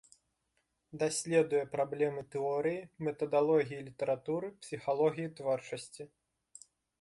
Даследуе праблемы тэорыі, метадалогіі літаратуры, псіхалогіі творчасці.